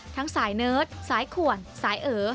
สายเนิร์ดสายขวนสายเอ๋